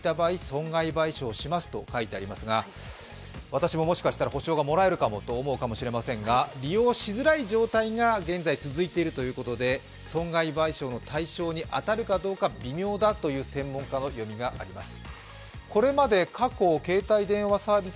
私ももしかしたら、補償がもらえるかもしれないと思うかもしれませんが、利用しづらい状態が現在続いているということで、損害賠償の対象に当たるかどうか微妙だという専門家の読みがあります。